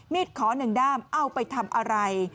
มีดขอ๑ด้ามเอาไปทำอะไร